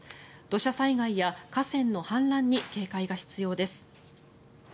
土砂災害や河川の氾濫に警戒が必要です。